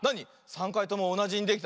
３かいともおなじにできた？